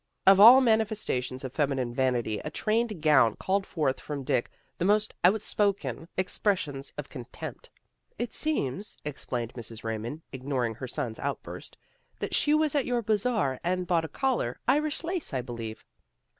Of all manifestations of feminine vanity a trained gown called forth from Dick the most outspoken expressions of contempt. " It seems," explained Mrs. Raymond, ig noring her son's outburst, " that she was at your Bazar, and bought a collar, Irish lace, I believe."